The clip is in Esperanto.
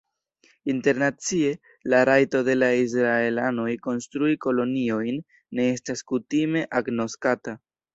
Internacie, la rajto de la Israelanoj konstrui koloniojn ne estas kutime agnoskata.